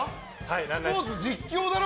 スポーツ実況だろ？